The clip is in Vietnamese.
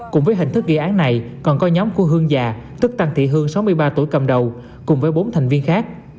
cùng với hình thức gây án này còn có nhóm của hương già tức tăng thị hương sáu mươi ba tuổi cầm đầu cùng với bốn thành viên khác